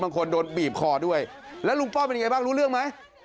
บางคนโดนบีบคอด้วยแล้วลุงป้อมเป็นยังไงบ้างรู้เรื่องไหม